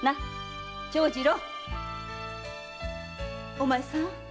お前さん。